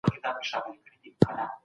څېړونکي اړیکه نه ویني.